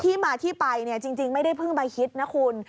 ที่มาที่ไปจริงไม่ได้เพิ่งมาฮิตนะคุณ